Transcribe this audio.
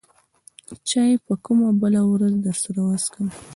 چاى به کومه بله ورځ درسره وڅکم.